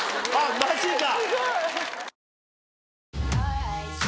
マジか！